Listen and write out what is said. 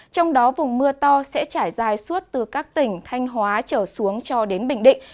trong đó vùng mưa to sẽ trải dài suốt từ các tỉnh thanh hóa trở xuống cho đến bình định